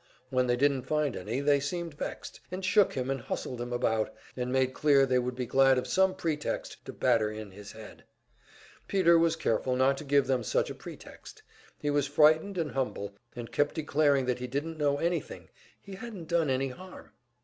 When they didn't find any, they seemed vexed, and shook him and hustled him about, and made clear they would be glad of some pretext to batter in his head. Peter was careful not to give them such a pretext; he was frightened and humble, and kept declaring that he didn't know anything, he hadn't done any harm.